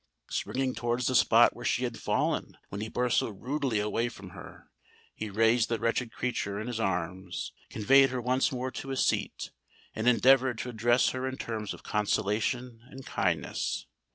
Springing towards the spot where she had fallen when he burst so rudely away from her, he raised the wretched creature in his arms, conveyed her once more to a seat, and endeavoured to address her in terms of consolation and kindness.